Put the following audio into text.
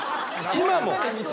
今も。